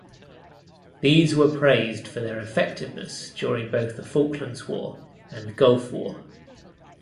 These were praised for their effectiveness during both the Falklands War and Gulf War.